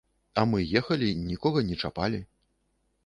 А мы ехалі, нікога не чапалі.